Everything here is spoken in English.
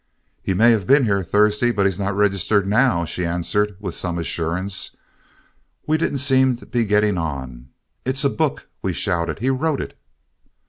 "He may have been here Thursday, but he's not registered now," she answered with some assurance. We didn't seem to be getting on. "It's a book," we shouted. "He wrote it."